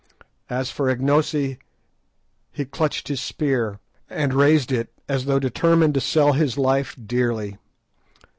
As for Ignosi, he clutched his spear, and raised it as though determined to sell his life dearly.